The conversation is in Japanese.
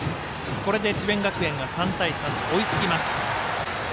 これで智弁学園が３対３と追いつきます。